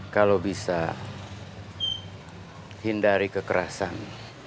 kalau bisa hindari kekerasan